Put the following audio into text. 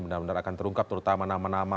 benar benar akan terungkap terutama nama nama